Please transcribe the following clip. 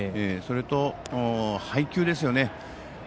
それと配球ですよね。